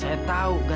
tapi kamu tahu pak